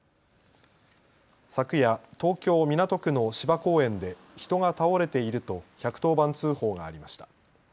昨夜、東京港区の芝公園で人が倒れていると１１０番通報がありました。